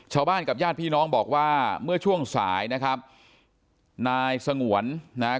ชาวบ้านกับญาติพี่น้องบอกว่าเมื่อช่วงสายนะครับนายสงวนนะฮะ